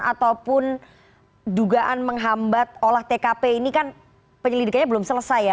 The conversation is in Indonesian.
ataupun dugaan menghambat olah tkp ini kan penyelidikannya belum selesai ya